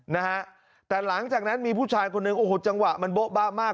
นะฮะแต่หลังจากนั้นมีผู้ชายคนหนึ่งโอ้โหจังหวะมันโบ๊ะบะมาก